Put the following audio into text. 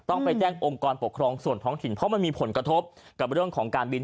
ต้องไปแจ้งองค์กรปกครองส่วนท้องถิ่นเพราะมันมีผลกระทบกับเรื่องของการบิน